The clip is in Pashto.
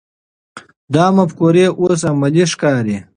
دا مفکوره اوس عملي ښکاري.